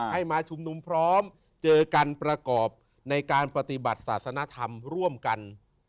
ให้มาชุมนุมพร้อมเจอกันประกอบในการปฏิบัติศาสนธรรมร่วมกัน